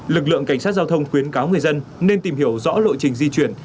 lực lượng cảnh sát giao thông khuyến cáo người dân nên tìm hiểu rõ lộ trình di chuyển